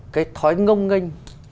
cái thói ngông nganh